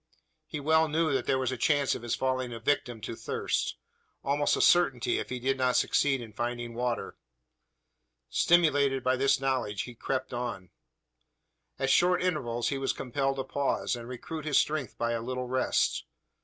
He well knew there was a chance of his falling a victim to thirst almost a certainty, if he did not succeed in finding water. Stimulated by this knowledge he crept on. At short intervals he was compelled to pause, and recruit his strength by a little rest.